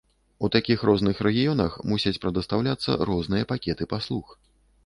У такіх розных рэгіёнах мусяць прадастаўляцца розныя пакеты паслуг.